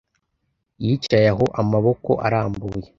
Yicaye aho amaboko arambuye.